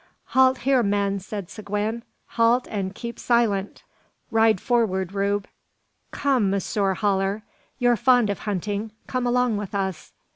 "Halt here, men!" said Seguin; "halt and keep silent. Ride forward, Rube. Come, Monsieur Haller, you're fond of hunting; come along with us!"